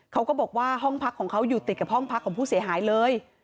เขาก็บอกว่าห้องพักของเขาอยู่ติดกับห้องพักของผู้เสียหายเลย